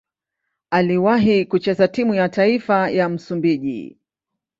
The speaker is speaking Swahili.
Aliwahi kucheza timu ya taifa ya Msumbiji.